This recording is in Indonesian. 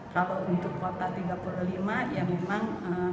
kalau untuk kuota tiga puluh lima ya memang